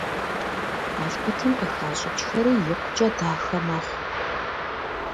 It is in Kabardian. Налкъутым къыхащӏьӀкӀхэри икъукӀэ дахэ мэхъу.